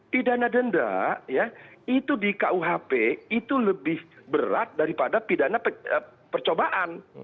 pidana denda ya itu di kuhp itu lebih berat daripada pidana percobaan